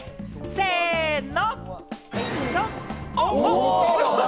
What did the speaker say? せの！